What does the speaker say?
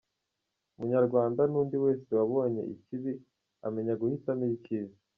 Umunyarwanda n’undi wese wabonye ikibi amenya guhitamo icyiza.